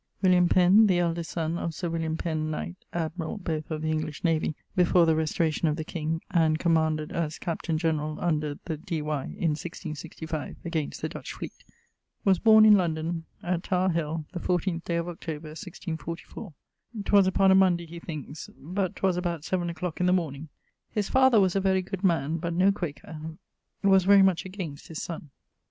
William Penn[AP], the eldest son of Sir William Penn, knight, [admirall both of the English navy before the restauration of the king, and commanded as captain generall under the D. Y. in 1665 against the Dutch fleet], was borne in London, at Tower hill, the 14 day of October 1644. 'Twas upon a Monday he thinkes; but 'twas about 7 a clock in the morning. (His father was a very good man, but no Quaker; was very much against his sonne.)